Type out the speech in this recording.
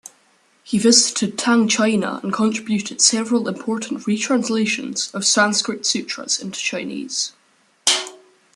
He visited Tang China and contributed several important retranslations of Sanskrit sutras into Chinese.